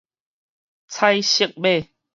彩色馬